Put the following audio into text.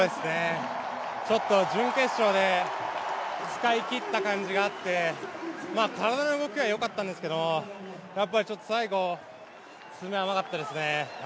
準決勝で使いきった感じがあって体の動きはよかったんですけどやっぱり最後、詰めが甘かったですね。